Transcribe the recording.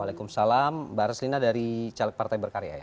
waalaikumsalam mbak raslina dari caleg partai berkarya ya